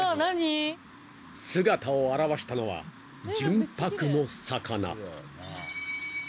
［姿を現したのは純白の魚］